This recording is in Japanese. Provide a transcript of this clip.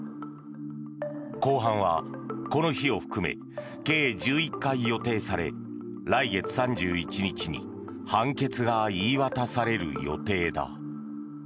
公判はこの日を含め計１１回予定され来月３１日に判決が言い渡される予定だ。